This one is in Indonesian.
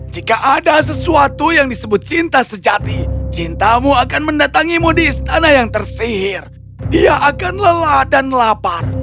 jika ada sesuatu yang disebut cinta sejati cintamu akan mendatangimu di istana yang tersihir dia akan lelah dan lapar